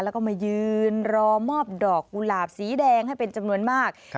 แล้วก็มายืนรอมอบดอกกุหลาบสีแดงให้เป็นจำนวนมาก